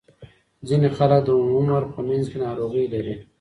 ځینې خلک د عمر په منځ کې ناروغۍ لري.